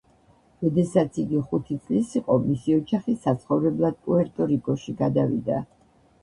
როდესაც იგი ხუთი წლის იყო, მისი ოჯახი საცხოვრებლად პუერტო-რიკოში გადავიდა.